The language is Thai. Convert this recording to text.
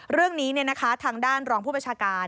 เรื่องนี้นะคะทางด้านรองผู้บัญชาการ